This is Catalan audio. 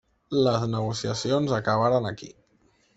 Les negociacions acabaren aquí.